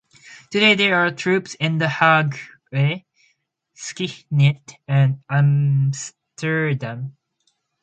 Today there are troops in The Hague, Schinnen and Amsterdam.